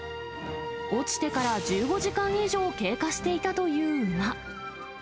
落ちてから１５時間以上経過していたという馬。